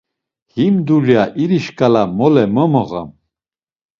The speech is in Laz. Him dulya iri şǩala mole mo moğam.